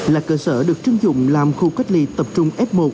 là cơ sở được chưng dụng làm khu cách ly tập trung f một